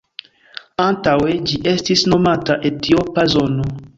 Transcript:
Antaŭe ĝi estis nomata Etiopa zono.